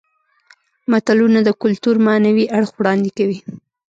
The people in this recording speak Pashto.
متلونه د کولتور معنوي اړخ وړاندې کوي